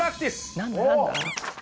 何だ？